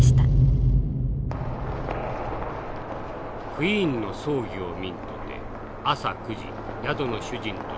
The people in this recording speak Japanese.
「クイーンの葬儀を見んとて朝９時宿の主人と共に出づ。